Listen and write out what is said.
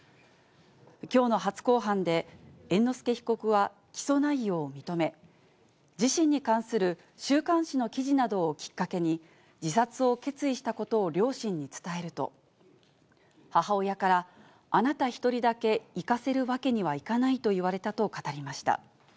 きょうの初公判で猿之助被告は起訴内容を認め、自身に関する週刊誌の記事などをきっかけに、自殺を決意したことを両親に伝えると、母親から、あなた１人だけいかせるわけにはいかないと言われたと語りました。